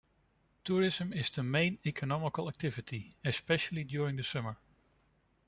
Tourism is the main economical activity, especially during the summer.